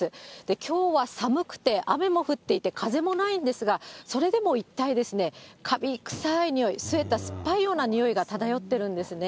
きょうは寒くて、雨も降っていて、風もないんですが、それでも一帯、かび臭いにおい、すえた酸っぱいにおいが漂ってるんですね。